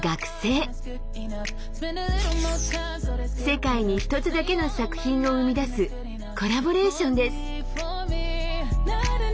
世界に一つだけの作品を生み出すコラボレーションです。